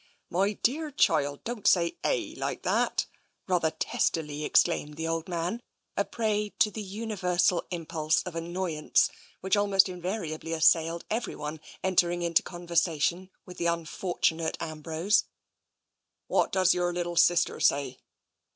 " My dearr child, don't say * eh,' like that! " rather testily exclaimed the old man, a prey to the universal impulse of annoyance which almost invariably assailed TENSION 219 everyone entering into conversation with the unfor tunate Ambrose. What does your little sister say?''